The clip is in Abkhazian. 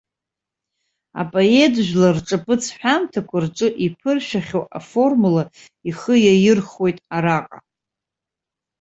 Апоет жәлар рҿацыцтә ҳәамҭақәа рҿы иԥыршәахьоу аформула ихы иаирхәеит араҟа.